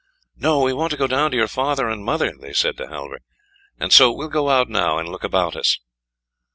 "No, we want to go down to your father and mother," they said to Halvor; "and so we'll go out now and look about us."